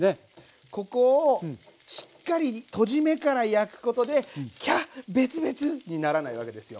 ここをしっかりとじ目から焼くことでキャッベツベツにならないわけですよ。